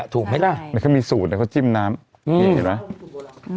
ถูกไหมครับมันก็มีสูตรเขาจิ้มน้ำเห็นไหม